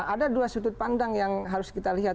ada dua sudut pandang yang harus kita lihat